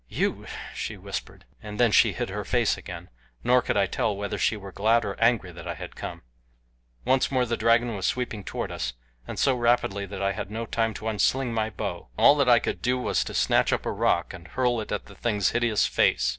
"You?" she whispered, and then she hid her face again; nor could I tell whether she were glad or angry that I had come. Once more the dragon was sweeping toward us, and so rapidly that I had no time to unsling my bow. All that I could do was to snatch up a rock, and hurl it at the thing's hideous face.